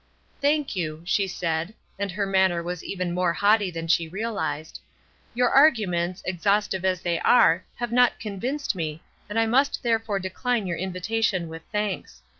"Thank you," she said, and her manner was even more haughty than she realized. "Your arguments, exhaustive as they were, have not convinced me, and I must therefore decline your invitation with thanks.